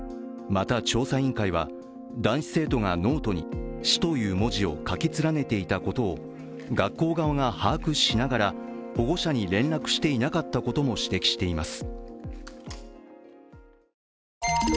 また、調査委員会は男子生徒がノートに「死」という文字を書き連ねていたことを学校側が把握しながら保護者に連絡していなかったことも指摘しています。